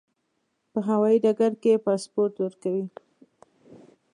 په هوایي ډګر کې پاسپورت ورکوي.